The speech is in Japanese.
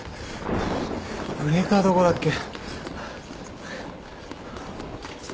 ブレーカーどこだっけ？